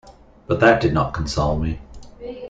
But that did not console me.